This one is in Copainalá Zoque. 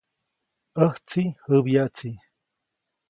ʼÄjtsi jäbyaʼtsi.